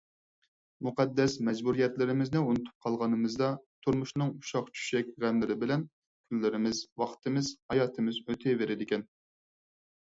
مۇقەددەس مەجبۇرىيەتلىرىمىزنى ئۇنتۇپ قالغىنىمىزدا تۇرمۇشنىڭ ئۇششاق-چۈششەك غەملىرى بىلەن كۈنلىرىمىز، ۋاقتىمىز، ھاياتىمىز ئۆتىۋېرىدىكەن.